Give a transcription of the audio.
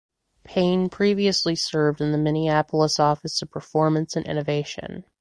Payne previously served in the Minneapolis office of Performance and Innovation.